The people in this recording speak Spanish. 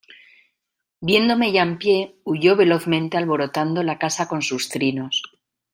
viéndome ya en pie, huyó velozmente alborotando la casa con sus trinos.